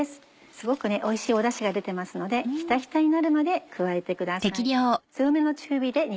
すごくおいしいダシが出てますのでひたひたになるまで加えてください。